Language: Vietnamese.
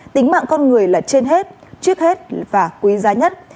tính mạng con người là trên hết trước hết và quý giá nhất